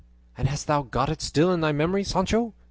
"And hast thou got it still in thy memory, Sancho?"